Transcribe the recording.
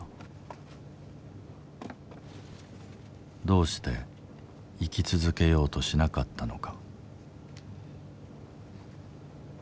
どうして生き続けようとしなかったのか。